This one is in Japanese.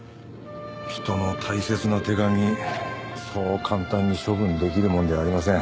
人の大切な手紙そう簡単に処分できるものではありません。